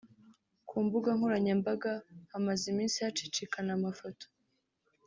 Ku mbuga nkoranyambaga hamaze iminsi hacicikana amafoto